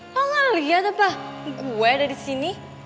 lo gak liat apa gue ada disini